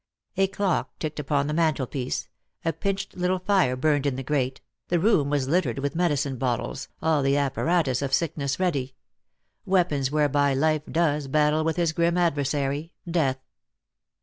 A clock ticked upon the mantel piece, a pinched little fire burned in the grate, the room was littered with medicine bottles, all the apparatus of sickness ready— weapons whereby Life does battle with his grim adversary, Death.